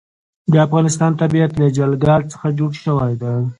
د افغانستان طبیعت له جلګه څخه جوړ شوی دی.